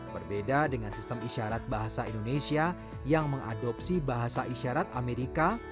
berbeda dengan sistem isyarat bahasa indonesia yang mengadopsi bahasa isyarat amerika